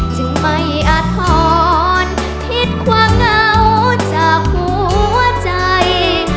จึงไม่อาทรคิดความเหงาจากหัวใจ